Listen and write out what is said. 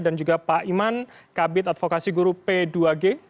dan juga pak iman kabit advokasi guru p dua g